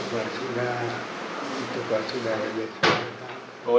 lebih sepuluh tahun